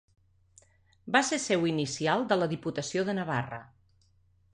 Va ser seu inicial de la Diputació de Navarra.